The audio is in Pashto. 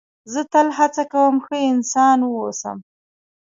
زه تل هڅه کوم ښه انسان و اوسم.